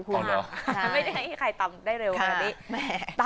ไม่ได้ให้ใครตำได้เร็วค่ะ